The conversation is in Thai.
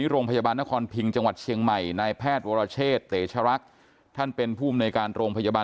จังหวัดเชียงใหม่นายแพทย์โวราเชษเต๋ชรักท่านเป็นผู้ในการโรงพยาบาล